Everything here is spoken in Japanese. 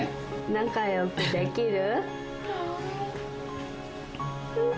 仲良くできる？